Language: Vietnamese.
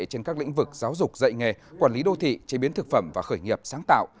trên các lĩnh vực giáo dục dạy nghề quản lý đô thị chế biến thực phẩm và khởi nghiệp sáng tạo